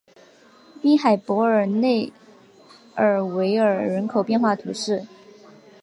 滨海伯内尔维尔人口变化图示